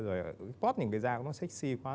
rồi tót những cái da nó sexy quá